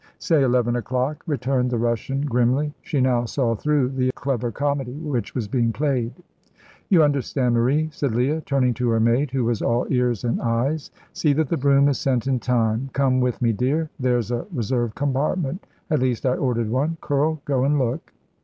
"Say eleven o'clock," returned the Russian, grimly. She now saw through the clever comedy which was being played. "You understand, Marie," said Leah, turning to her maid, who was all ears and eyes; "see that the brougham is sent in time. Come with me, dear there's a reserved compartment at least, I ordered one. Curl, go and look."